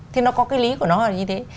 thì nó có cái lý của nó là như thế